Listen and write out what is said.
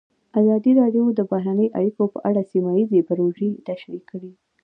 ازادي راډیو د بهرنۍ اړیکې په اړه سیمه ییزې پروژې تشریح کړې.